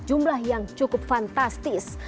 jumlah yang cukup fantastis